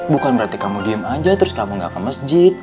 bukan berarti kamu diem aja terus kamu gak ke masjid